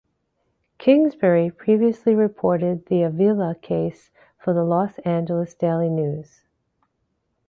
Kingsbury previously reported the Avila case for the "Los Angeles Daily News".